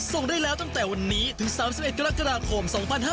ส่งได้แล้วตั้งแต่วันนี้ถึง๓๑กรกฎาคม๒๕๕๙